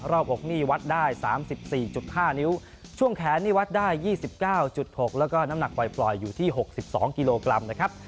บอกอกนี่วัดได้๓๔๕นิ้วช่วงแขนนี่วัดได้๒๙๖แล้วก็น้ำหนักปล่อยอยู่ที่๖๒กิโลกรัมนะครับ